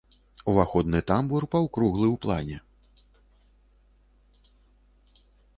Уваходны тамбур паўкруглы ў плане.